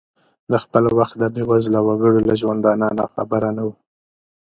د خپل وخت د بې وزلو وګړو له ژوندانه ناخبره نه ؤ.